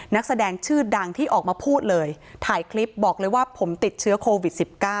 นักแสดงชื่อดังที่ออกมาพูดเลยถ่ายคลิปบอกเลยว่าผมติดเชื้อโควิด๑๙